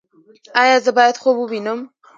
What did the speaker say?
ایا زه باید خوب ووینم؟